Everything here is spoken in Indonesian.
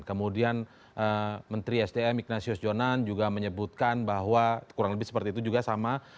kemudian menteri sdm ignatius jonan juga menyebutkan bahwa kurang lebih seperti itu juga sama